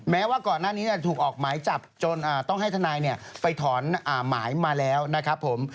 แม้ว่าก่อนหน้านี้จะถูกออกหมายจับจนต้องให้ทนายไปถอนหมายมาแล้วนะครับผม